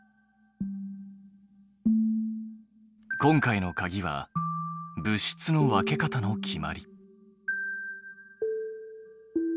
今回のかぎは物質の分け方の決まり。